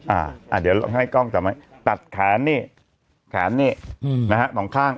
อ่าเดี๋ยวเราให้กล้องจับไหมตัดแขนนี่แขนนี่อืมนะฮะสองข้าง